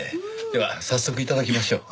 では早速頂きましょう。